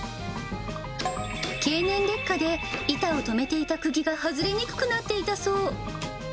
経年劣化で、板を留めていたくぎが外れにくくなっていたそう。